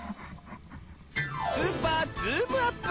「スーパーズームアップクイズ」